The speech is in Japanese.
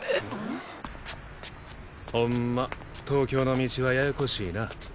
ホンマ東京の道はややこしいな。